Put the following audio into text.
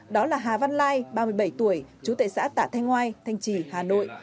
đó là hà văn lai ba mươi bảy tuổi chú tệ xã tạ thanh ngoai thanh trì hà nội